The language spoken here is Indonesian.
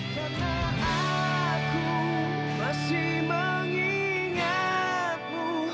karena aku masih mengingatmu